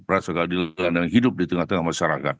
perasaan keadilan dan hidup di tengah tengah masyarakat